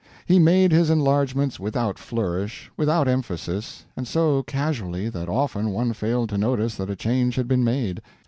He made his enlargements without flourish, without emphasis, and so casually that often one failed to notice that a change had been made.